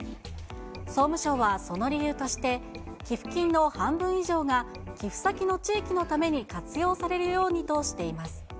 総務省はその理由として、寄付金の半分以上が寄付先の地域のために活用されるようにとしています。